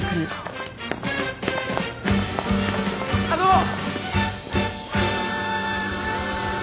あの！